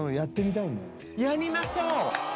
やりましょう！